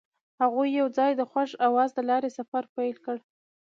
هغوی یوځای د خوښ اواز له لارې سفر پیل کړ.